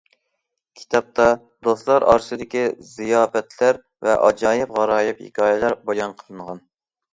كىتابتا دوستلار ئارىسىدىكى زىياپەتلەر ۋە ئاجايىپ- غارايىپ ھېكايىلەر بايان قىلىنغان.